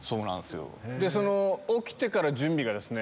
その起きてから準備がですね。